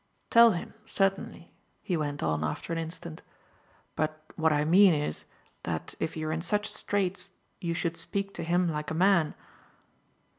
Tell him, certainly," he went on after an instant. "But what I mean is that if you're in such straits you should speak to him like a man."